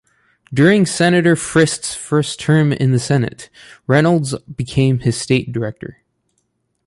During Senator Frist's first term in the Senate, Reynolds became his state director.